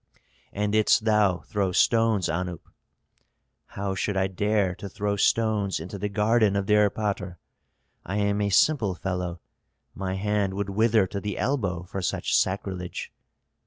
"And didst thou throw stones, Anup?" "How should I dare to throw stones into the garden of the erpatr? I am a simple fellow, my hand would wither to the elbow for such sacrilege."